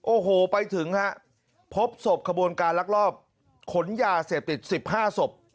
โอ้โหไปถึงครับพบสอบขบวนการรักรอบขนยาเสพติด๑๕สอบ